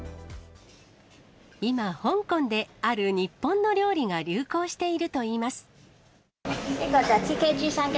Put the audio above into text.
今、香港である日本の料理が流行しているといいます。